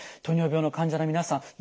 糖尿病の患者の皆さん